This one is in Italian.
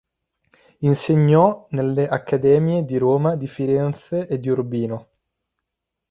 Insegnò nelle Accademie di Roma, di Firenze e di Urbino.